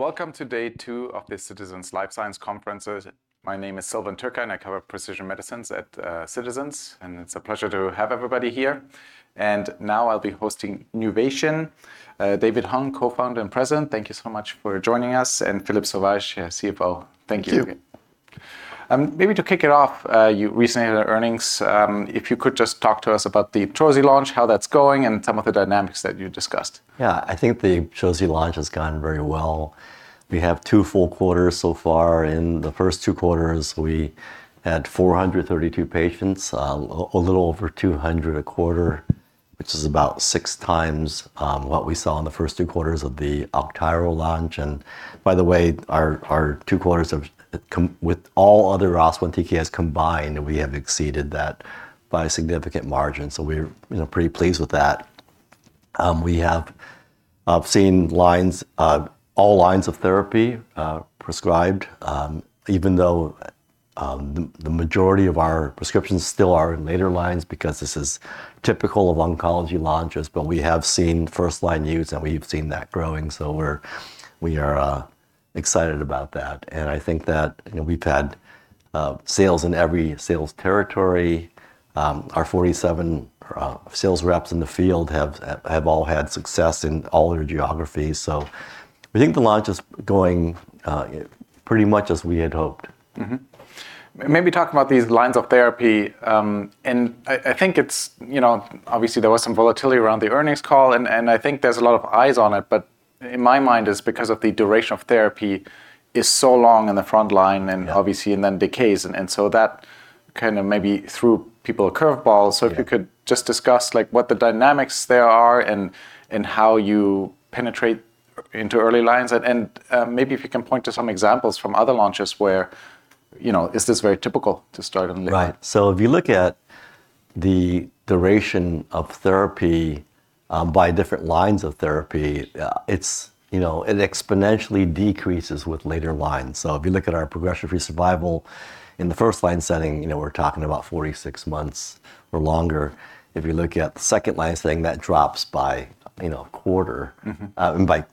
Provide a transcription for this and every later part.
Welcome to day two of the Citizens Life Sciences Conference. My name is Silvan Türkcan and I cover precision medicines at Citizens, and it's a pleasure to have everybody here. Now I'll be hosting Nuvation Bio, David Hung, co-founder and president. Thank you so much for joining us, and Philippe Sauvage, CFO. Thank you. Thank you. Maybe to kick it off, you recently had earnings. If you could just talk to us about the IBTROZI launch, how that's going, and some of the dynamics that you discussed. Yeah. I think the IBTROZI launch has gone very well. We have two full quarters so far. In the first two quarters, we had 432 patients, a little over 200 a quarter, which is about six times what we saw in the first two quarters of the AUGTYRO launch. By the way, our two quarters with all other ROS1 TKIs combined, we have exceeded that by a significant margin, so we're, you know, pretty pleased with that. We have, I've seen all lines of therapy prescribed, even though the majority of our prescriptions still are in later lines because this is typical of oncology launches. We have seen first-line use and we've seen that growing, so we are excited about that. I think that, you know, we've had sales in every sales territory. Our 47 sales reps in the field have all had success in all of the geographies. We think the launch is going pretty much as we had hoped. Maybe talk about these lines of therapy, and I think it's, you know, obviously there was some volatility around the earnings call and I think there's a lot of eyes on it, but in my mind it's because of the duration of therapy is so long in the front line. Obviously, and then decays. So that kind of maybe threw people a curve ball. If you could just discuss like what the dynamics there are and how you penetrate into early lines. Maybe if you can point to some examples from other launches where, you know, is this very typical to start on the line? Right. If you look at the duration of therapy, by different lines of therapy, it's, you know, it exponentially decreases with later lines. If you look at our progression-free survival, in the first-line setting, you know, we're talking about 46 months or longer. If you look at the second-line setting, that drops by, you know, a quarter. Down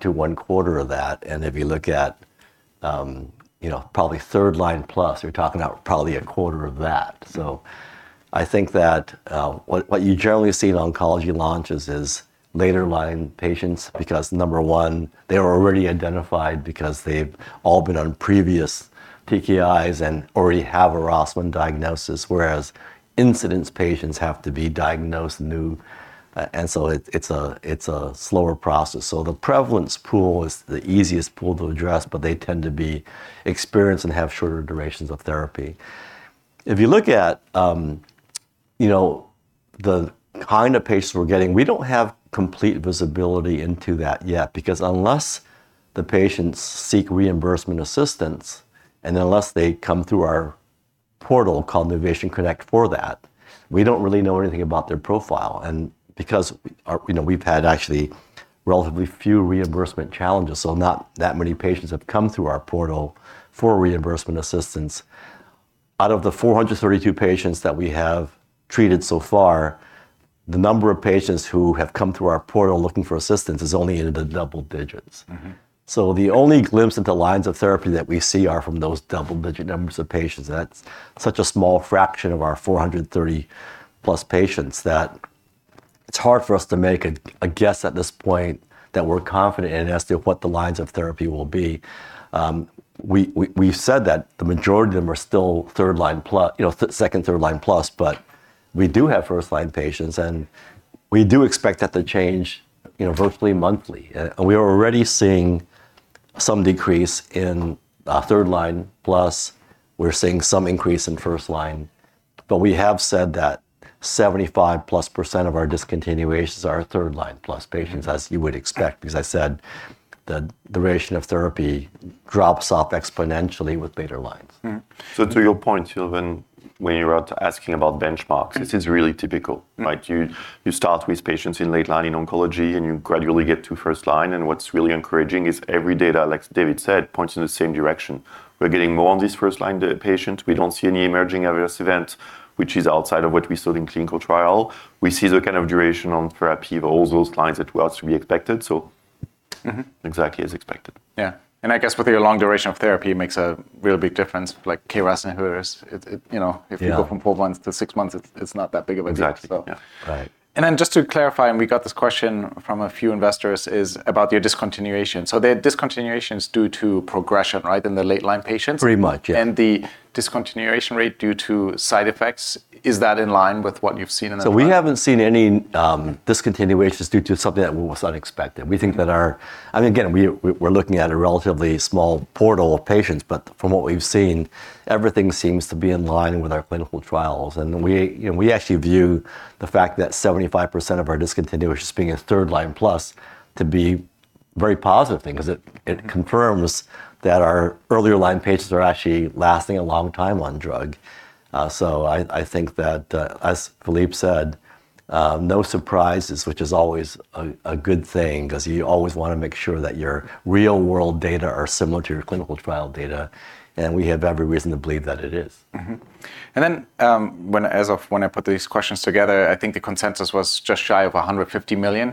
to one quarter of that. If you look at, you know, probably third-line plus, you're talking now probably a quarter of that. I think that what you generally see in oncology launches is later line patients, because number one, they're already identified because they've all been on previous TKIs and already have a ROS1 diagnosis, whereas incidence patients have to be diagnosed new. It's a slower process. The prevalence pool is the easiest pool to address, but they tend to be experienced and have shorter durations of therapy. If you look at, you know, the kind of patients we're getting, we don't have complete visibility into that yet because unless the patients seek reimbursement assistance, and unless they come through our portal called NuvationConnect for that, we don't really know anything about their profile. You know, we've had actually relatively few reimbursement challenges, so not that many patients have come through our portal for reimbursement assistance. Out of the 432 patients that we have treated so far, the number of patients who have come through our portal looking for assistance is only in the double digits. The only glimpse into lines of therapy that we see are from those double digit numbers of patients, and that's such a small fraction of our 430+ patients that it's hard for us to make a guess at this point that we're confident in as to what the lines of therapy will be. We've said that the majority of them are still third-line plus, you know, second, third-line plus, but we do have first-line patients and we do expect that to change, you know, virtually monthly. We are already seeing some decrease in third-line plus. We're seeing some increase in first-line. We have said that 75+% of our discontinuations are third-line plus patients. As you would expect, because I said the duration of therapy drops off exponentially with later lines. To your point, Silvan, when you were out asking about benchmarks. This is really typical. Like you start with patients in late line in oncology and you gradually get to first-line, and what's really encouraging is every data, like David said, points in the same direction. We're getting more on this first-line patient. We don't see any emerging adverse event which is outside of what we saw in clinical trial. We see the kind of duration on therapy for all those lines that was to be expected. Exactly as expected. Yeah. I guess with your long duration of therapy, it makes a real big difference, like KRAS inhibitors. It you know. If you go from four months-six months, it's not that big of a deal. Just to clarify, and we got this question from a few investors, is about your discontinuation. The discontinuation is due to progression, right, in the late-line patients? Very much, yeah. The discontinuation rate due to side effects, is that in line with what you've seen in the trial? We haven't seen any discontinuations due to something that was unexpected. We think that, I mean, again, we're looking at a relatively small pool of patients, but from what we've seen, everything seems to be in line with our clinical trials. We, you know, we actually view the fact that 75% of our discontinuations being in third-line plus to be very positive thing, 'cause it confirms that our earlier line patients are actually lasting a long time on drug. I think that, as Philippe said, no surprises, which is always a good thing, 'cause you always wanna make sure that your real world data are similar to your clinical trial data, and we have every reason to believe that it is. As of when I put these questions together, I think the consensus was just shy of $150 million.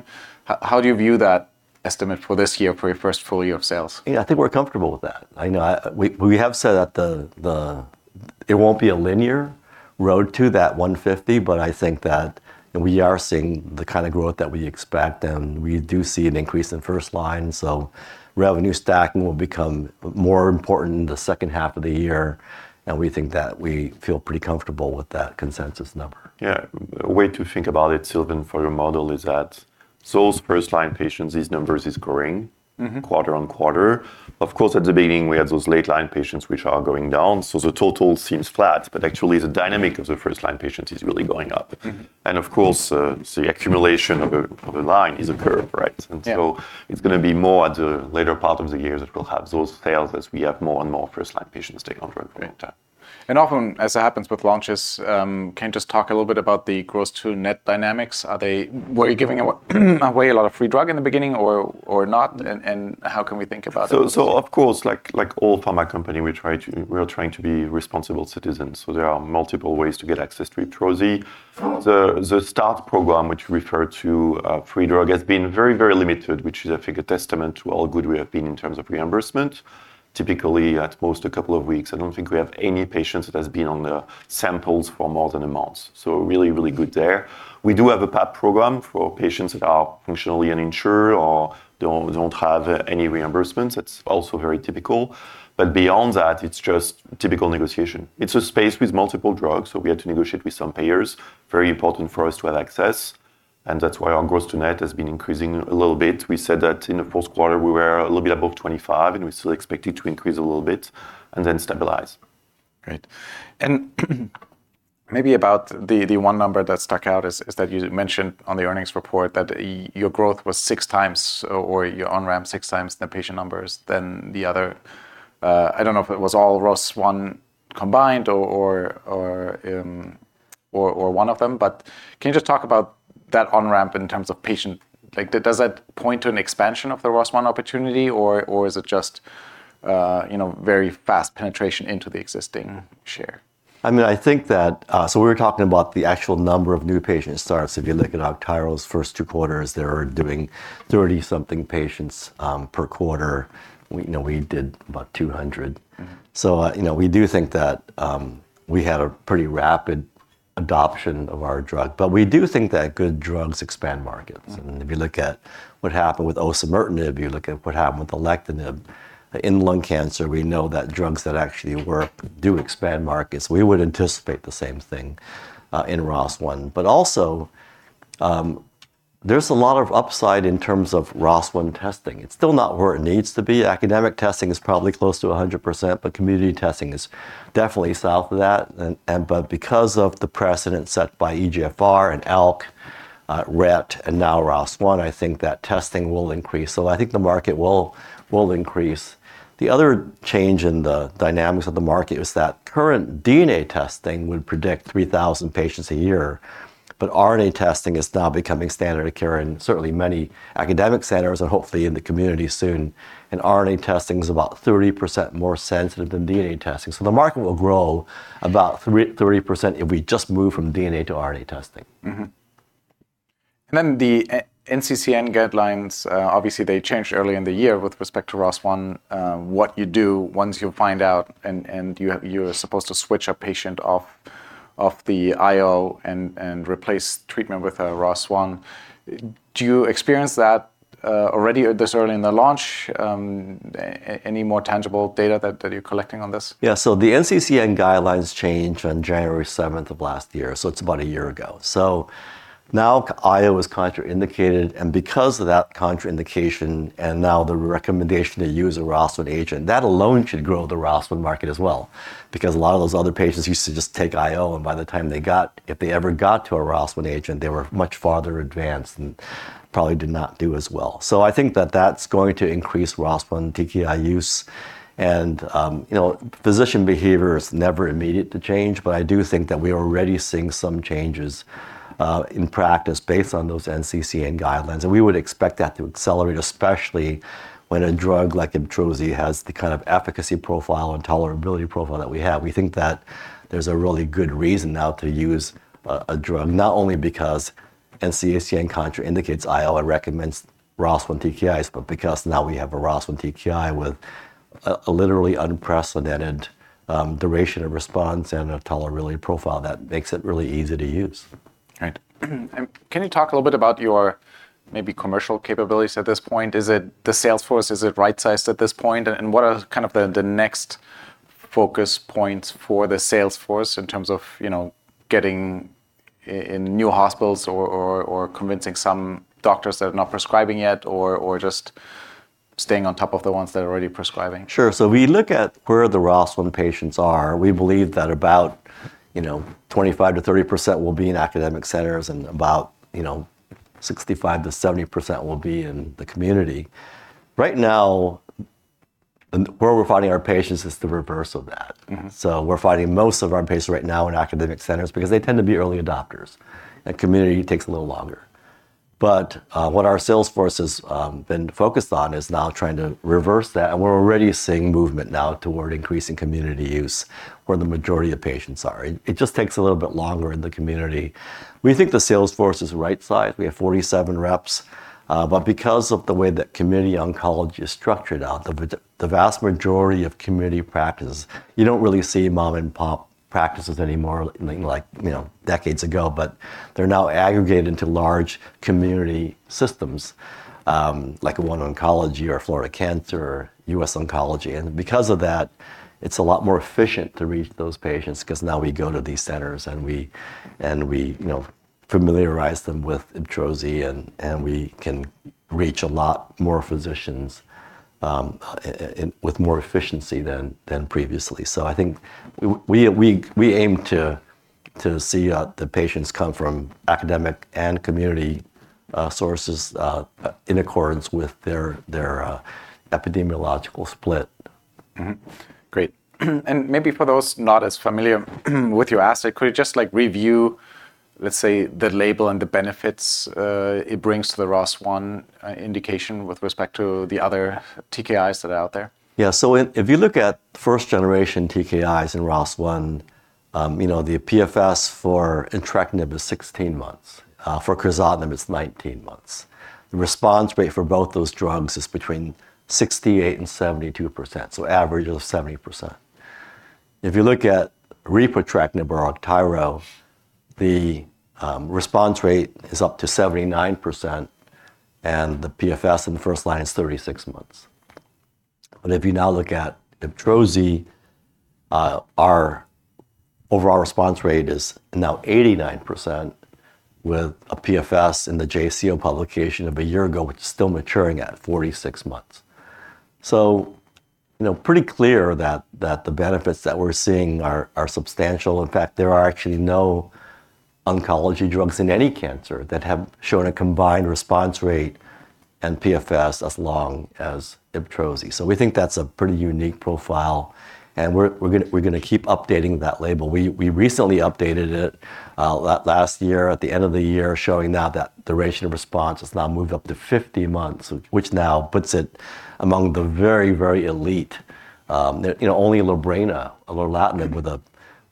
How do you view that? Estimate for this year for your first full year of sales? Yeah, I think we're comfortable with that. We have said that it won't be a linear road to that $150, but I think that we are seeing the kind of growth that we expect, and we do see an increase in first-line. Revenue stacking will become more important in the second half of the year, and we think that we feel pretty comfortable with that consensus number. Yeah. A way to think about it, Silvan, for your model is that those first-line patients, these numbers is growing. Quarter-over-quarter. Of course, at the beginning, we had those late-line patients which are going down, so the total seems flat. Actually, the dynamic of the first-line patients is really going up. Of course, the accumulation of a line is a curve, right? It's gonna be more at the later part of the year that we'll have those sales as we have more and more first-line patients to take on for a long time. Right. Often, as happens with launches, can you just talk a little bit about the gross to net dynamics? Are they? Were you giving away a lot of free drug in the beginning or not? How can we think about it? Of course, like all pharma company, we are trying to be responsible citizens. There are multiple ways to get access to IBTROZI. The start program which refer to free drug has been very limited, which is, I think, a testament to how good we have been in terms of reimbursement. Typically, at most, a couple of weeks. I don't think we have any patients that has been on the samples for more than a month. Really good there. We do have a PAP program for patients that are functionally uninsured or don't have any reimbursements. It's also very typical. Beyond that, it's just typical negotiation. It's a space with multiple drugs, so we had to negotiate with some payers. Very important for us to have access, and that's why our gross to net has been increasing a little bit. We said that in the first quarter we were a little bit above 25%, and we still expect it to increase a little bit and then stabilize. Great. Maybe about the one number that stuck out is that you mentioned on the earnings report that your growth was six times, or your on-ramp six times the patient numbers than the other. I don't know if it was all ROS1 combined or one of them, but can you just talk about that on-ramp in terms of patient? Like, does that point to an expansion of the ROS1 opportunity, or is it just, you know, very fast penetration into the existing share? I mean, I think that we were talking about the actual number of new patient starts. If you look at AUGTYRO's first two quarters, they were doing 30-something patients per quarter. We, you know, we did about 200. You know, we do think that we had a pretty rapid adoption of our drug. We do think that good drugs expand markets. If you look at what happened with osimertinib, you look at what happened with alectinib in lung cancer, we know that drugs that actually work do expand markets. We would anticipate the same thing in ROS1. But also, there's a lot of upside in terms of ROS1 testing. It's still not where it needs to be. Academic testing is probably close to 100%, but community testing is definitely south of that. Because of the precedent set by EGFR and ALK, RET and now ROS1, I think that testing will increase. I think the market will increase. The other change in the dynamics of the market was that current DNA testing would predict 3,000 patients a year, but RNA testing is now becoming standard of care in certainly many academic centers and hopefully in the community soon. RNA testing is about 30% more sensitive than DNA testing, so the market will grow about 30% if we just move from DNA to RNA testing. The NCCN guidelines, obviously, they changed early in the year with respect to ROS1, what you do once you find out. You're supposed to switch a patient off the IO and replace treatment with ROS1. Do you experience that already this early in the launch? Any more tangible data that you're collecting on this? Yeah. The NCCN guidelines changed on January 7th of last year, so it's about a year ago. Now IO is contraindicated, and because of that contraindication and now the recommendation to use a ROS1 agent, that alone should grow the ROS1 market as well. Because a lot of those other patients used to just take IO, if they ever got to a ROS1 agent, they were much farther advanced and probably did not do as well. I think that that's going to increase ROS1 TKI use and, you know, physician behavior is never immediate to change, but I do think that we're already seeing some changes in practice based on those NCCN guidelines. We would expect that to accelerate, especially when a drug like IBTROZI has the kind of efficacy profile and tolerability profile that we have. We think that there's a really good reason now to use a drug not only because NCCN contraindicates IO and recommends ROS1 TKIs, but because now we have a ROS1 TKI with a literally unprecedented duration and response and a tolerability profile that makes it really easy to use. Right. Can you talk a little bit about your maybe commercial capabilities at this point? Is it the sales force right-sized at this point? What are kind of the next focus points for the sales force in terms of, you know, getting in new hospitals or convincing some doctors that are not prescribing yet or just staying on top of the ones that are already prescribing? Sure. We look at where the ROS1 patients are. We believe that about, you know, 25%-30% will be in academic centers and about, you know, 65%-70% will be in the community. Right now, where we're finding our patients is the reverse of that. We're finding most of our patients right now in academic centers because they tend to be early adopters, and community takes a little longer. What our sales force has been focused on is now trying to reverse that, and we're already seeing movement now toward increasing community use where the majority of patients are. It just takes a little bit longer in the community. We think the sales force is the right size. We have 47 reps, but because of the way that community oncology is structured out, the vast majority of community practices, you don't really see mom-and-pop practices anymore like, you know, decades ago, but they're now aggregated into large community systems, like OneOncology or Florida Cancer Specialists, US Oncology. Because of that, it's a lot more efficient to reach those patients 'cause now we go to these centers and you know, familiarize them with IBTROZI and we can reach a lot more physicians with more efficiency than previously. I think we aim to see the patients come from academic and community sources in accordance with their epidemiological split. Great. Maybe for those not as familiar with your asset, could you just like review, let's say, the label and the benefits it brings to the ROS1 indication with respect to the other TKIs that are out there? Yeah. If you look at first generation TKIs in ROS1, you know, the PFS for entrectinib is 16 months. For crizotinib, it's 19 months. The response rate for both those drugs is between 68%-72%, so average of 70%. If you look at repotrectinib or AUGTYRO, the response rate is up to 79% and the PFS in the first-line is 36 months. If you now look at IBTROZI, our overall response rate is now 89% with a PFS in the JCO publication of a year ago, which is still maturing at 46 months. You know, pretty clear that the benefits that we're seeing are substantial. In fact, there are actually no oncology drugs in any cancer that have shown a combined response rate and PFS as long as IBTROZI. We think that's a pretty unique profile, and we're gonna keep updating that label. We recently updated it last year at the end of the year, showing now that duration of response has now moved up to 50 months, which now puts it among the very, very elite. You know, only LORBRENA or lorlatinib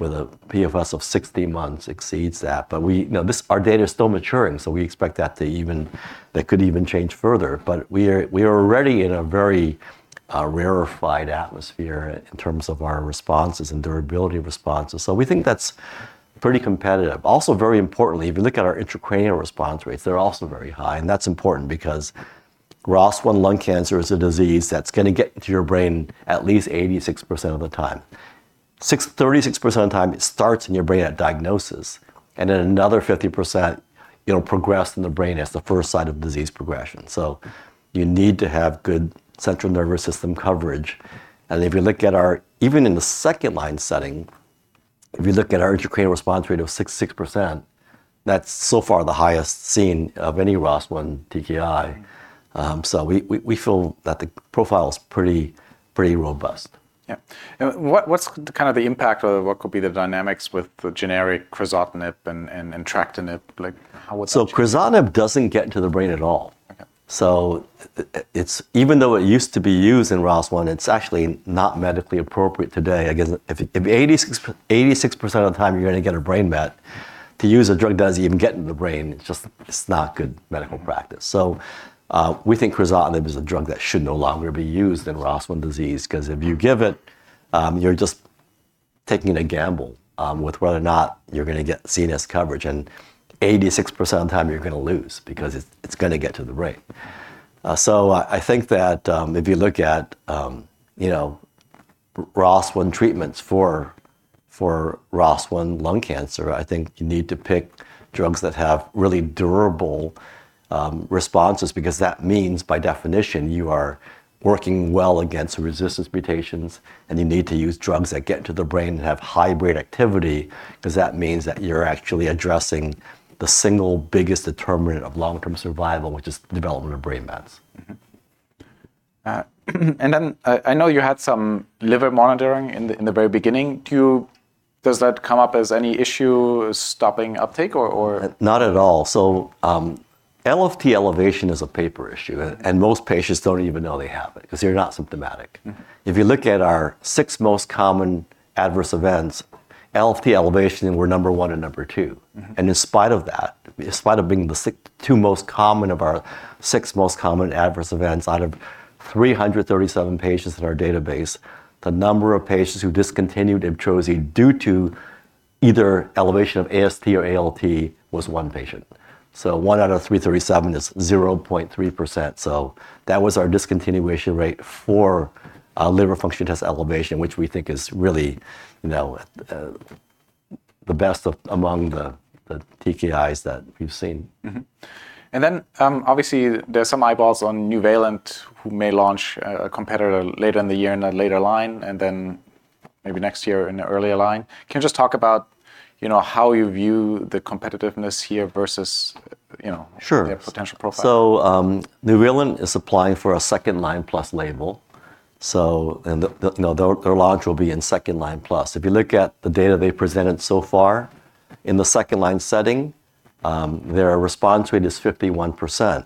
with a PFS of 60 months exceeds that. You know, our data is still maturing, so we expect that. That could even change further. We are already in a very rarefied atmosphere in terms of our responses and durability of responses. We think that's pretty competitive. Also very importantly, if you look at our intracranial response rates, they're also very high, and that's important because ROS1 lung cancer is a disease that's gonna get into your brain at least 86% of the time. 36% of the time it starts in your brain at diagnosis, and then another 50%, it'll progress in the brain as the first site of disease progression. You need to have good central nervous system coverage. Even in the second-line setting, if you look at our intracranial response rate of 66%, that's so far the highest seen of any ROS1 TKI. We feel that the profile is pretty robust. Yeah. What's kind of the impact or what could be the dynamics with the generic crizotinib and entrectinib? Like how would that- crizotinib doesn't get into the brain at all. It's even though it used to be used in ROS1, it's actually not medically appropriate today. I guess if 86% of the time you're gonna get a brain met, to use a drug doesn't even get in the brain, it's just, it's not good medical practice. We think crizotinib is a drug that should no longer be used in ROS1 disease, 'cause if you give it, you're just taking a gamble with whether or not you're gonna get CNS coverage, and 86% of the time you're gonna lose because it's gonna get to the brain. I think that if you look at you know ROS1 treatments for ROS1 lung cancer, I think you need to pick drugs that have really durable responses because that means by definition you are working well against resistance mutations and you need to use drugs that get into the brain and have high brain activity, 'cause that means that you're actually addressing the single biggest determinant of long-term survival, which is development of brain metastases. I know you had some liver monitoring in the very beginning. Does that come up as any issue stopping uptake or- Not at all. LFT elevation is a paper issue. Most patients don't even know they have it 'cause they're not symptomatic. If you look at our six most common adverse events, LFT elevation were number one and number two. In spite of that, in spite of being the two most common of our six most common adverse events, out of 337 patients in our database, the number of patients who discontinued IBTROZI due to either elevation of AST or ALT was one patient. one out of 337 is 0.3%. That was our discontinuation rate for liver function test elevation, which we think is really, you know, the best among the TKIs that we've seen. Obviously there's some eyeballs on Nuvalent who may launch a competitor later in the year in a later line, and then maybe next year in the earlier line. Can you just talk about, you know, how you view the competitiveness here versus, you know- Sure. Their potential profile? Nuvalent is applying for a second-line plus label, so their launch will be in second-line plus. If you look at the data they presented so far in the second-line setting, their response rate is 51%.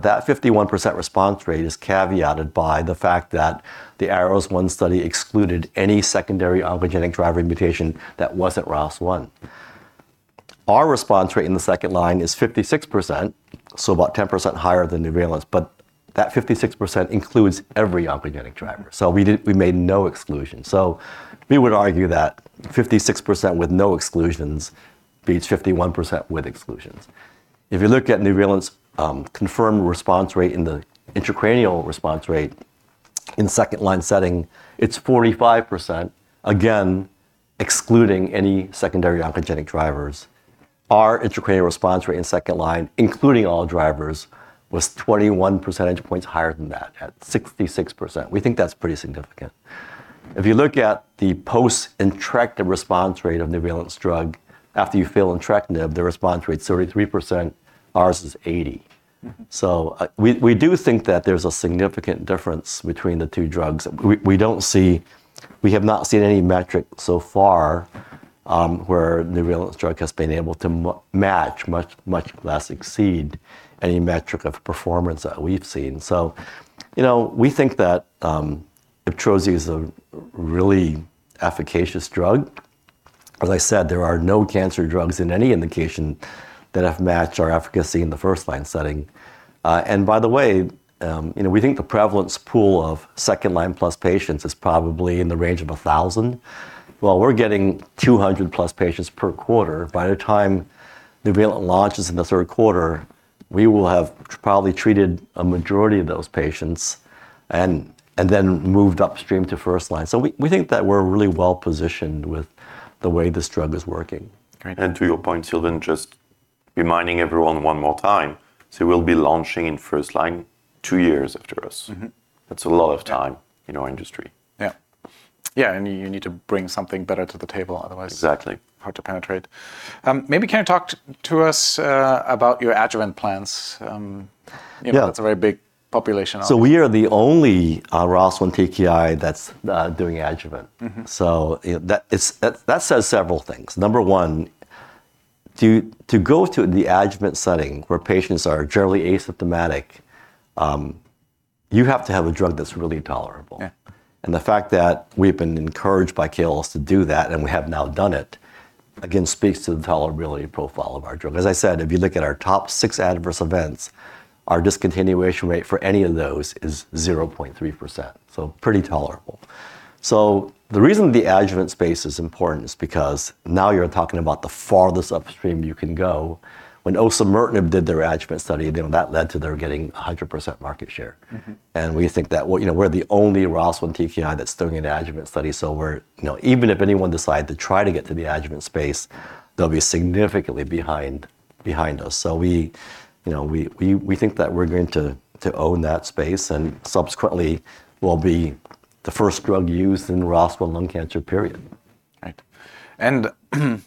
That 51% response rate is caveated by the fact that the ARROS-1 study excluded any secondary oncogenic driver mutation that wasn't ROS1. Our response rate in the second-line is 56%, so about 10% higher than Nuvalent. That 56% includes every oncogenic driver. We made no exclusions. We would argue that 56% with no exclusions beats 51% with exclusions. If you look at Nuvalent's confirmed response rate and the intracranial response rate in second-line setting, it's 45%, again, excluding any secondary oncogenic drivers. Our intracranial response rate in second-line, including all drivers, was 21 percentage points higher than that, at 66%. We think that's pretty significant. If you look at the post-entrectinib response rate of Nuvalent's drug after you fail entrectinib, their response rate's 33%. Ours is 80%. We do think that there's a significant difference between the two drugs. We have not seen any metric so far where Nuvalent's drug has been able to match, much less exceed any metric of performance that we've seen. You know, we think that IBTROZI is a really efficacious drug. As I said, there are no cancer drugs in any indication that have matched our efficacy in the first-line setting. By the way, you know, we think the prevalence pool of second-line plus patients is probably in the range of 1,000. Well, we're getting 200+ patients per quarter. By the time Nuvalent launches in the third quarter, we will have probably treated a majority of those patients and then moved upstream to first-line. We think that we're really well-positioned with the way this drug is working. Great. To your point, Silvan, just reminding everyone one more time, so we'll be launching in first-line two years after us. That's a lot of time in our industry. Yeah. Yeah, you need to bring something better to the table. Otherwise. Exactly. Hard to penetrate. Maybe can you talk to us about your adjuvant plans? You know, that's a very big population. We are the only ROS1 TKI that's doing adjuvant. You know, that says several things. Number one, to go to the adjuvant setting where patients are generally asymptomatic, you have to have a drug that's really tolerable. The fact that we've been encouraged by KOL to do that, and we have now done it, again, speaks to the tolerability profile of our drug. As I said, if you look at our top six adverse events, our discontinuation rate for any of those is 0.3%, so pretty tolerable. The reason the adjuvant space is important is because now you're talking about the farthest upstream you can go. When osimertinib did their adjuvant study, you know, that led to their getting 100% market share. We think that, what, you know, we're the only ROS1 TKI that's doing an adjuvant study, so we're. You know, even if anyone decide to try to get to the adjuvant space, they'll be significantly behind us. So you know, we think that we're going to own that space and subsequently will be the first drug used in ROS1 lung cancer, period. Right.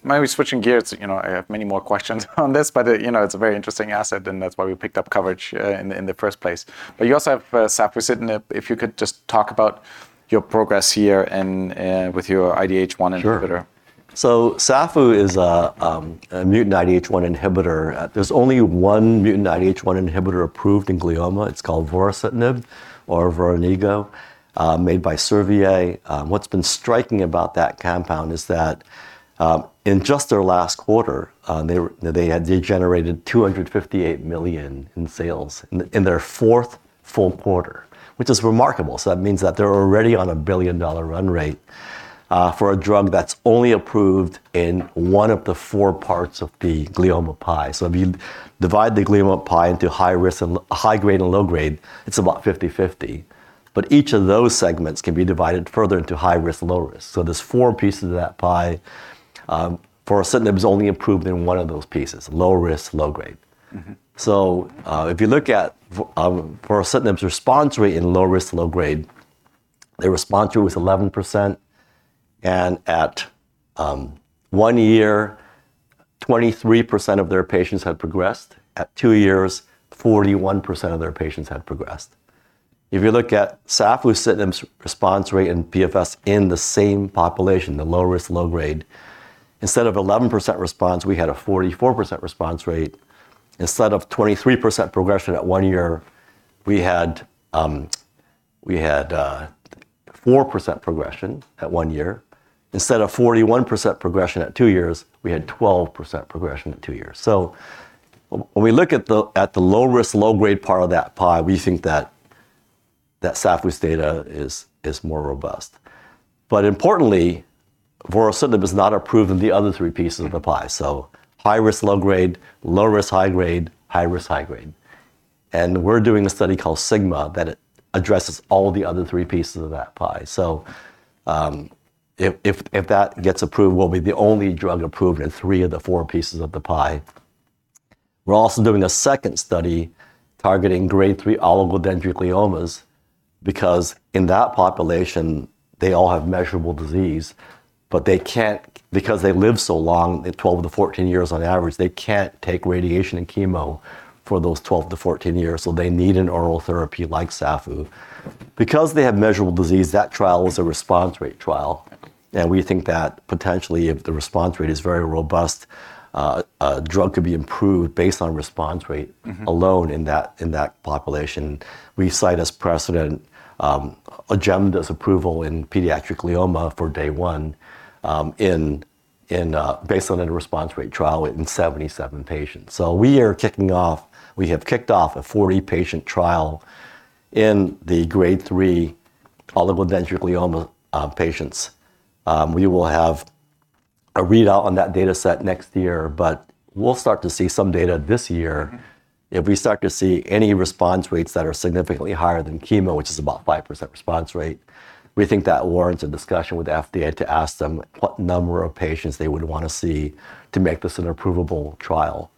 Maybe switching gears, you know, I have many more questions on this, but you know, it's a very interesting asset, and that's why we picked up coverage in the first place. You also have safusidenib. If you could just talk about your progress here and with your IDH1 inhibitor. safusidenib is a mutant IDH1 inhibitor. There's only one mutant IDH1 inhibitor approved in glioma. It's called vorasidenib or VORANIGO, made by Servier. What's been striking about that compound is that, in just their last quarter, they generated $258 million in sales in their fourth full quarter, which is remarkable. That means that they're already on a billion-dollar run rate, for a drug that's only approved in one of the four parts of the glioma pie. If you divide the glioma pie into high grade and low grade, it's about 50/50, but each of those segments can be divided further into high risk, low risk. There's four pieces of that pie. vorasidenib is only approved in one of those pieces, low risk, low grade. If you look at vorasidenib's response rate in low risk, low grade, their response rate was 11%, and at one year, 23% of their patients had progressed. At two years, 41% of their patients had progressed. If you look at safusidenib's response rate and PFS in the same population, the low risk, low grade, instead of 11% response, we had a 44% response rate. Instead of 23% progression at one year, we had 4% progression at one year. Instead of 41% progression at two years, we had 12% progression at two years. When we look at the low risk, low grade part of that pie, we think that Safi's data is more robust Importantly, vorasidenib is not approved in the other three pieces of the pie, so high risk, low grade, low risk, high grade, high risk, high grade. We're doing a study called SIGMA that addresses all the other three pieces of that pie. If that gets approved, we'll be the only drug approved in three of the four pieces of the pie. We're also doing a second study targeting grade 3 oligodendrogliomas because in that population, they all have measurable disease, but they can't. Because they live so long, 12-14 years on average, they can't take radiation and chemo for those 12-14 years, so they need an oral therapy like safusidenib. Because they have measurable disease, that trial is a response rate trial. We think that potentially if the response rate is very robust, a drug could be approved based on response rate alone in that population. We cite as precedent, OJEMDA's approval in pediatric glioma from Day One based on a response rate trial in 77 patients. We have kicked off a 40-patient trial in the grade 3 oligodendroglioma patients. We will have a readout on that data set next year, but we'll start to see some data this year. If we start to see any response rates that are significantly higher than chemo, which is about 5% response rate, we think that warrants a discussion with the FDA to ask them what number of patients they would want to see to make this an approvable trial.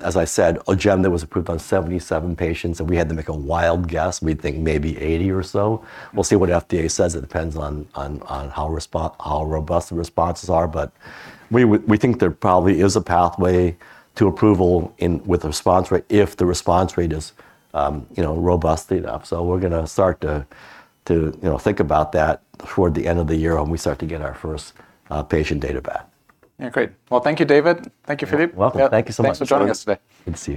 As I said, OJEMDA was approved on 77 patients. If we had to make a wild guess, we'd think maybe 80 or so. We'll see what FDA says. It depends on how robust the responses are. But we think there probably is a pathway to approval with a response rate if the response rate is robust data. We're gonna start to, you know, think about that toward the end of the year when we start to get our first patient data back. Yeah, great. Well, thank you, David. Thank you, Philippe. You're welcome. Thank you so much. Thanks for joining us today. Good to see you.